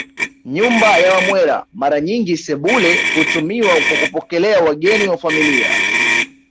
Nyumba ya Wamwera Mara nyingi sebule hutumiwa kwa kupokelea wageni wa familia